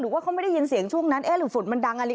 หรือว่าเขาไม่ได้ยินเสียงช่วงนั้นหรือฝุ่นมันดังอันนี้